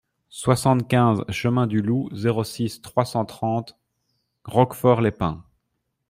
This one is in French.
soixante-quinze chemin du Loup, zéro six, trois cent trente Roquefort-les-Pins